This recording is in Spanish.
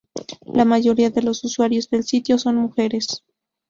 La mayoría de los usuarios del sitio son mujeres.